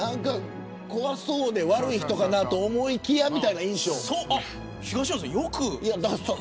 怖そうで悪い人かなと思いきやみたいな印象。